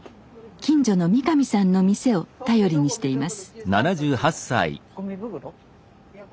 近所の三上さんの店を頼りにしています。